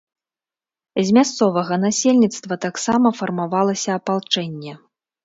З мясцовага насельніцтва таксама фармавалася апалчэнне.